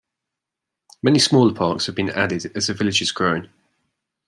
Many smaller parks have been added as the village has grown.